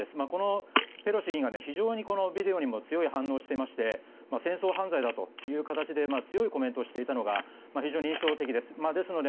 このペロシ議員がビデオにも強い反応を示していまして戦争犯罪だという形で強いコメントをしていたのが非常に印象的です。